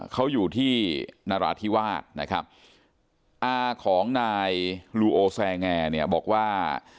เขาอยู่ที่นราธิวาสนะครับอาของนายลูโอแซงแอร์เนี่ยบอกว่า